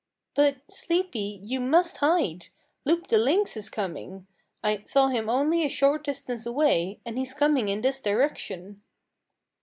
"But, Sleepy, you must hide. Loup the Lynx is coming. I saw him only a short distance away, and he's coming in this direction."